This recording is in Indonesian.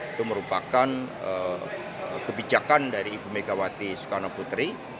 itu merupakan kebijakan dari ibu megawati soekarno putri